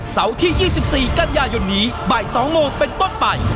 เสาร์ที่๒๔กันยายนนี้บ่าย๒โมงเป็นต้นไป